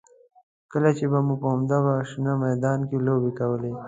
کله چې به مو په همدغه شنه میدان کې لوبې کولې.